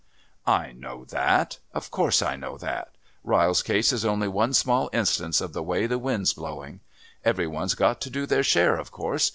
"I know that. Of course I know that. Ryle's case is only one small instance of the way the wind's blowing. Every one's got to do their share, of course.